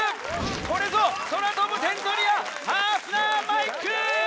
これぞ空飛ぶ点取り屋ハーフナー・マイク！